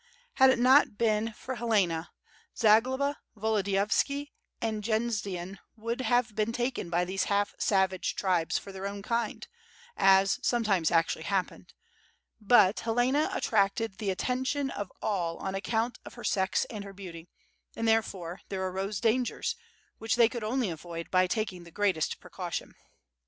Had it not been for Helena, Zagloba, Volodiyovski and Jendzian, would have been taken by these half savage tribes for their own kind, as sometimes actually happened, but Helena attracted the attention of all on account of her sex and her beauty, and therefore, there arose dangers, which they could only avoid by taking the greatest precaution.